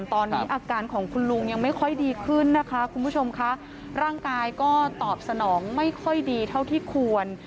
ตอนนี้อาการของคุณลุงยังไม่ค่อยดีขึ้นนะคะคุณผู้ชมค่ะร่างกายก็ตอบสนองไม่ค่อยดีเท่าที่ควร